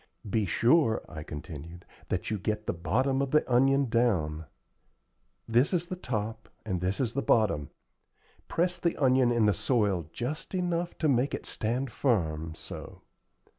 "Be sure," I continued, "that you get the bottom of the onion down. This is the top, and this is the bottom. Press the onion in the soil just enough to make it stand firm, so.